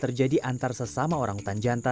sebelum berhasil diberi obat tetes mata